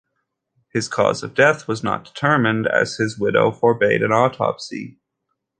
His cause of death was not determined, as his widow forbade an autopsy.